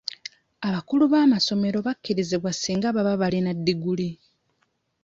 Abakulu b'amasomero bakkirizibwa singa baba balina ddiguli.